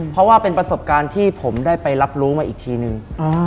เพราะว่าเป็นประสบการณ์ที่ผมได้ไปรับรู้มาอีกทีนึง